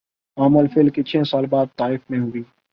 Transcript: عام الفیل کے چھ سال بعد طائف میں ہوئی